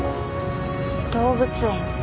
動物園。